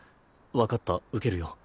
分かった受けるよ。